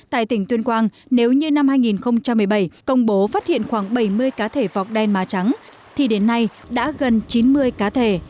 tại tỉnh tuyên quang nếu như năm hai nghìn một mươi bảy công bố phát hiện khoảng bảy mươi cá thể vọc đen má trắng thì đến nay đã gần chín mươi cá thể